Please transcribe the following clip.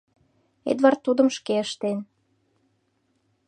Эдвард тудым шке ыштен.